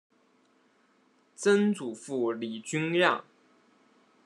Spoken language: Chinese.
曾祖父李均亮。